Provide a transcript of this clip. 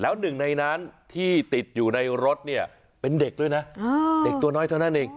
แล้วหนึ่งในนั้นที่ติดอยู่ในรถเนี่ยเป็นเด็กด้วยนะเด็กตัวน้อยเท่านั้นเอง